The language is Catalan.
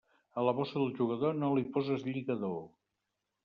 A la bossa del jugador no li poses lligador.